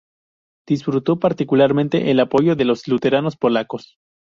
Disfrutó particularmente el apoyo de los luteranos polacos.